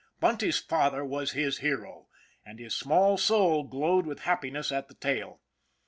Bunty's father was his hero, and his small soul glowed with happiness at the tale.